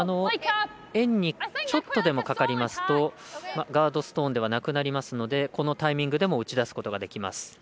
円にちょっとでもかかりますとガードストーンではなくなりますのでこのタイミングでも打ち出すことができます。